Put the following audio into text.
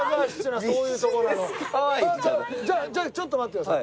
じゃあちょっと待ってください。